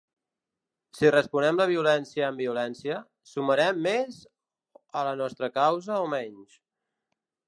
Si responem la violència amb violència, sumarem més a la nostra causa o menys?